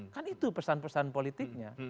kan itu pesan pesan politiknya